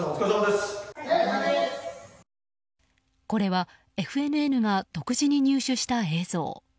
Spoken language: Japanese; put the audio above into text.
これは、ＦＮＮが独自に入手した映像。